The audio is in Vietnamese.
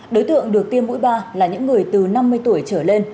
đối tượng được tiêm mũi ba là những người từ năm mươi tuổi trở lên